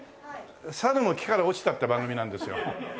「サルも木から落ちた」って番組なんですよ。